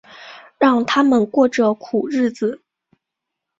让他们过着苦日子